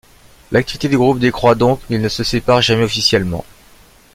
L'activité du groupe décroit donc, mais il ne se sépare jamais officiellement.